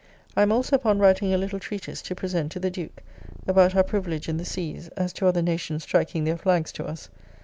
I am also upon writing a little treatise to present to the Duke, about our privilege in the seas, as to other nations striking their flags to us.